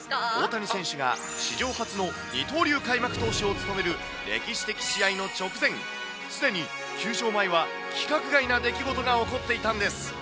大谷選手が史上初の二刀流開幕投手を務める歴史的試合の直前、すでに球場前は規格外の出来事が起こっていたんです。